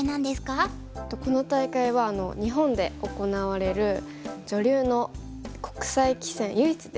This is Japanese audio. この大会は日本で行われる女流の国際棋戦唯一ですね。